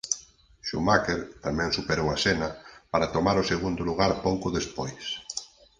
Schumacher tamén superou a Senna para tomar o segundo lugar pouco despois.